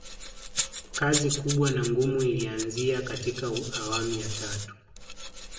kazi kubwa na ngumu ilianzia katika awamu ya tatu